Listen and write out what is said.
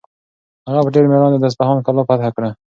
هغه په ډېر مېړانه د اصفهان کلا فتح کړه.